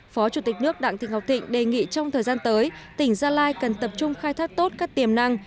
phó chủ tịch nước đặng thị ngọc thịnh đề nghị trong thời gian tới tỉnh gia lai cần tập trung khai thác tốt các tiềm năng